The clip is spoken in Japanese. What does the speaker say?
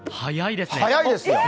速いです。